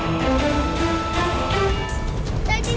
itu kali itu